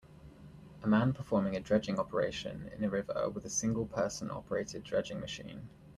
A man performing a dredging operation in a river with a singleperson operated dredging machine.